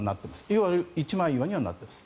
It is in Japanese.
要は一枚岩にはなっています。